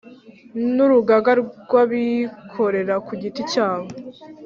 n Urugaga rw Abikorera ku giti cyabo